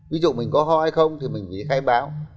ví dụ mình có ho hay không thì mình phải đi khai báo